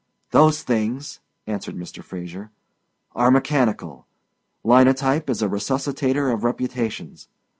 "Those things," answered Mr. Fraser, "are mechanical. Linotype is a resuscitator of reputations.